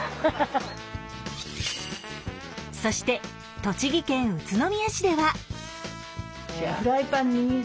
そして栃木県宇都宮市では。